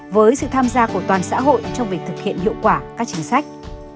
với sự tham gia của toàn xã hội trong việc thực hiện hiệu quả các chính sách